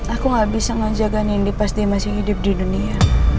aku gak bisa ngejaga nindi pasti masih hidup di dunia